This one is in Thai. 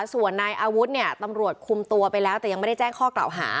ส่วนนายอาวุธเนี่ยตำรวจคุมตัวไปแล้วแต่ยังไม่ได้แจ้งข้อกล่าวหา